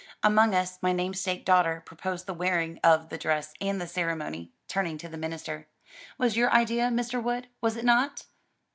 "Among us: my namesake daughter proposed the wearing of the dress: and the ceremony," turning to the minister, "was your idea, Mr. Wood, was it not?"